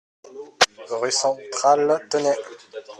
Rue Centrale, Tenay